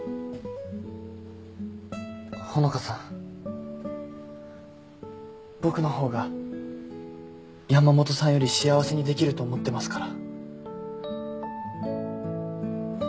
穂香さん僕の方が山本さんより幸せにできると思ってますから。